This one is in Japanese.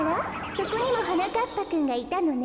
そこにもはなかっぱくんがいたのね。